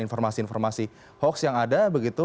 informasi informasi hoax yang ada begitu